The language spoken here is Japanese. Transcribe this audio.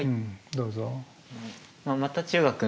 どうぞ。